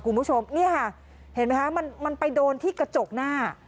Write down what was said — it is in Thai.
คุณผู้ชมนี่ค่ะเห็นไหมคะมันไปโดนที่กระจกหน้า